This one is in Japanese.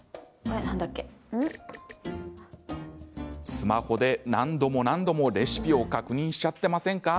スマホで何度も何度もレシピを確認しちゃってませんか？